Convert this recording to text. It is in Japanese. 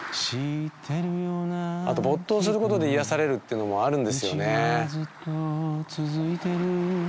あと没頭することで癒やされるっていうのもあるんですよね。